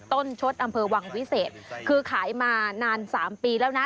ชดอำเภอวังวิเศษคือขายมานาน๓ปีแล้วนะ